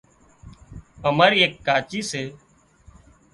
اماري ايڪ ڪاچي سي